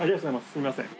すみません。